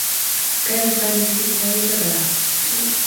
كان سامي يحبّ أن يتباهى.